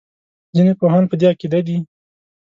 ځینې پوهان په دې عقیده دي.